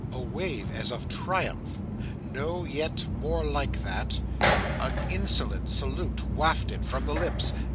A wave as of triumph? No; yet more like that. An insolent salute wafted from his lips?